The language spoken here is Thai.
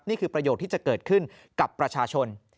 นี่คือประโยชน์ที่จะเกิดขึ้นกับประชาชน